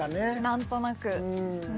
何となく。